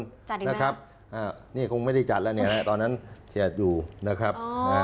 จัดดีนะครับนี่คงไม่ได้จัดแล้วเนี่ยฮะตอนนั้นเสียดอยู่นะครับ